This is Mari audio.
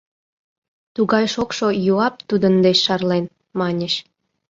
Тугай шокшо юап тудын деч шарлен, маньыч...